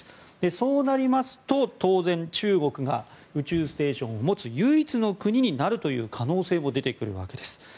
そうなりますと当然、中国が宇宙ステーションを持つ唯一の国になるという可能性も出てくるわけです。